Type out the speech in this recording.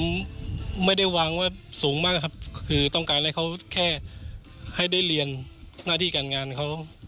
ผมไม่ได้วางไว้สูงมากครับคือต้องการให้เขาแค่ให้ได้เรียนหน้าที่การงานเขา